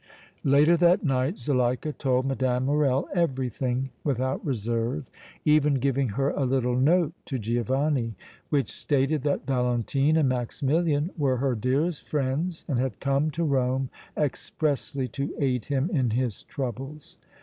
Later that night Zuleika told Mme. Morrel everything without reserve, even giving her a little note to Giovanni which stated that Valentine and Maximilian were her dearest friends and had come to Rome expressly to aid him in his troubles.